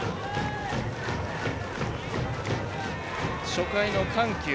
初回の緩急。